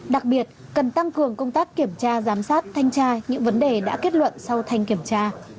đặc biệt cần tăng cường công tác kiểm tra giám sát thanh tra những vấn đề đã kết luận sau thanh kiểm tra